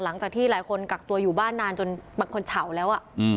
หลังจากที่หลายคนกักตัวอยู่บ้านนานจนบางคนเฉาแล้ว